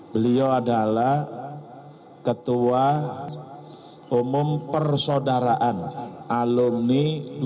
beliau adalah ketua umum persaudaraan alumni dua ratus dua